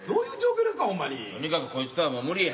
とにかくこいつとはもう無理や。